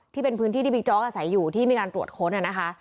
ที่เป็นพื้นที่ที่บิ๊กโจ๊กอาศัยอยู่ที่มีการตรวจค้นนะคะ